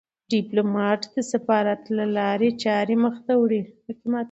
ډيپلومات د سفارت له لارې چارې مخ ته وړي.